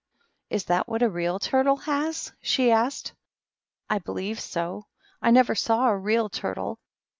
" Is that what a Real Turtle has ?" she asked. " I believe so. I never saw a Real Turtle.